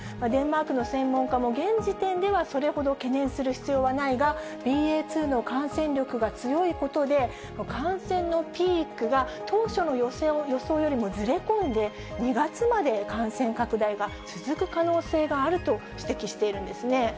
デンマークの専門家も、現時点では、それほど懸念する必要はないが、ＢＡ．２の感染力が強いことで、感染のピークが当初の予想よりもずれ込んで、２月まで感染拡大が続く可能性があると指摘しているんですね。